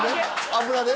油で？